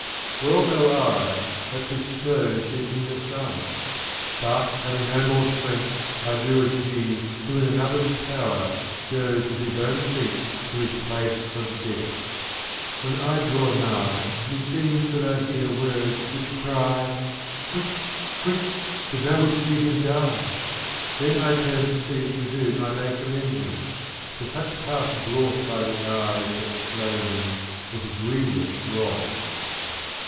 Well know I that 'tis snow seeking the sun, But, having no more strength, I do as he who in another's power goes with his own feet to his place of death. When I draw nigh meseems that I hear words which cry :' Quick ! quick ! if thou wouldst see him die.' Then I turn to see to whom I may commend me ; to such pass brought by the eyes that slay me, with grievous wrong.